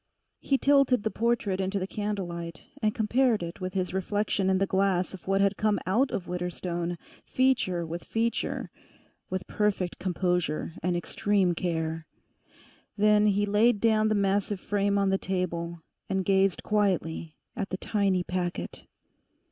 He tilted the portrait into the candlelight, and compared it with this reflection in the glass of what had come out of Widderstone, feature with feature, with perfect composure and extreme care. Then he laid down the massive frame on the table, and gazed quietly at the tiny packet.